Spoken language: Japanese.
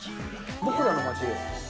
僕らの街で。